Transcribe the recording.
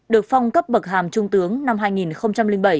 được phong cấp bậc hàm trung tướng năm hai nghìn bảy